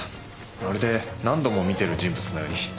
まるで何度も見てる人物のように。